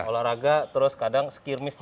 olahraga terus kadang skirmish juga